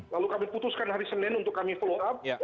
lalu kami putuskan hari senin untuk kami follow up